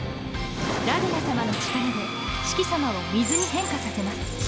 ラグナさまの力でシキさまを水に変化させます。